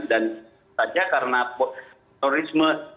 dan saja karena terorisme